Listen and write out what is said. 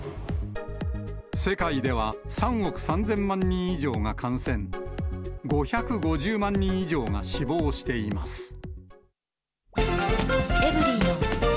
世界では３億３０００万人以上が感染、５５０万人以上が死亡しています。